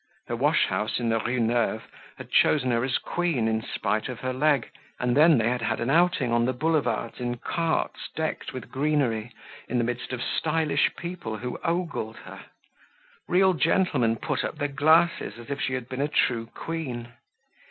Her wash house in the Rue Neuve had chosen her as queen in spite of her leg. And then they had had an outing on the boulevards in carts decked with greenery, in the midst of stylish people who ogled her. Real gentlemen put up their glasses as if she had been a true queen.